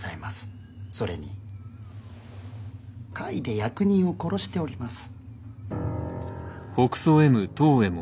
それに甲斐で役人を殺しております。